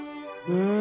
うん。